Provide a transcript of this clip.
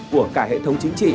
của cả hệ thống chính trị